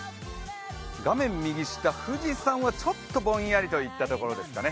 画面右下、富士山はちょっとぼんやりといったところですかね。